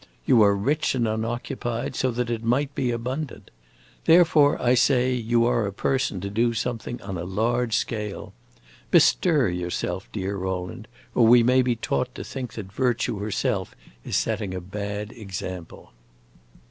You are rich and unoccupied, so that it might be abundant. Therefore, I say, you are a person to do something on a large scale. Bestir yourself, dear Rowland, or we may be taught to think that virtue herself is setting a bad example."